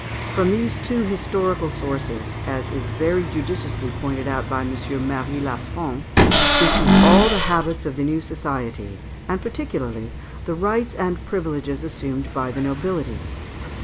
From these two historical sources, as is very judiciously pointed out by M. Mary Lafon, issued all the habits of the new society, and particularly the rights and privileges assumed by the nobility.